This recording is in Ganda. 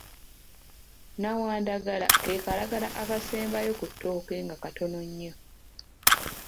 Nawandagala ke kalagala akasembayo ku ttooke nga katono nnyo.